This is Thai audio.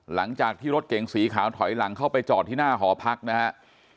หลังจากที่รถเก่งสีขาวถอยหลังเข้าไปจอดที่หน้าหอพักนะครับ